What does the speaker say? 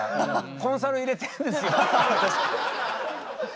コンサル入れてるんですよって。